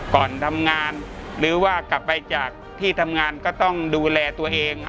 ก่อนทำงานหรือว่ากลับไปจากที่ทำงานก็ต้องดูแลตัวเอง